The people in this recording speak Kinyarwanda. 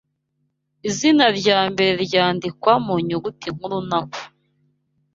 Izina rya mbere ryandikwa mu nyuguti nkuru naho